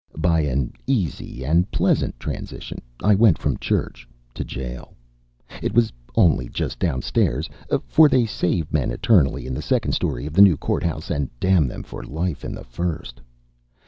By an easy and pleasant transition, I went from church to jail. It was only just down stairs for they save men eternally in the second story of the new court house, and damn them for life in the first.